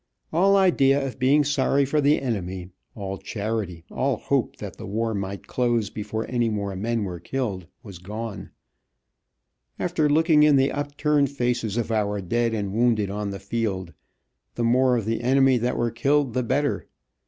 All idea of being sorry for the enemy, all charity, all hope that the war might close before any more men were killed, was gone. After looking in the upturned faces of our dead and wounded on the field, the more of the enemy that were killed the better.